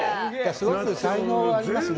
すごく才能はありますね。